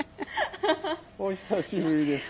お久しぶりです。